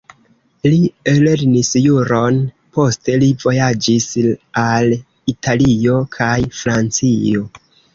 Li lernis juron, poste li vojaĝis al Italio kaj Francio.